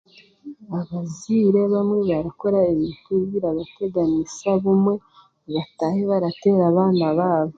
Abazeire bamwe barakora ebintu birabateganiisa bumwe batahe baratera abaana babo.